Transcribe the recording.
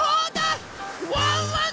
ワンワン